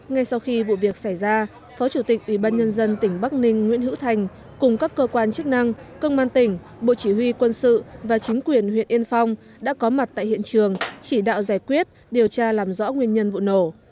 ngay sau khi vụ việc xảy ra phó chủ tịch ủy ban nhân dân tỉnh bắc ninh nguyễn hữu thành cùng các cơ quan chức năng công an tỉnh bộ chỉ huy quân sự và chính quyền huyện yên phong đã có mặt tại hiện trường chỉ đạo giải quyết điều tra làm rõ nguyên nhân vụ nổ